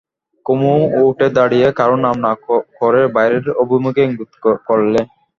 কুমু উঠে দাঁড়িয়ে কারো নাম না করে বাইরের অভিমুখে ইঙ্গিত করলে।